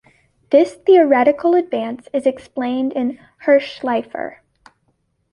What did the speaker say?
This theoretical advance is explained in Hirshleifer.